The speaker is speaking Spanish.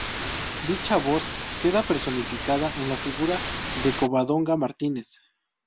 Dicha voz queda personificada en la figura de Covadonga Martínez.